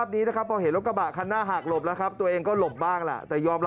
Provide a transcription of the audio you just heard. มาเลนส์ขวาเลยหรอ